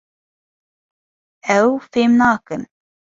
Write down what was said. Ew fêm nakin.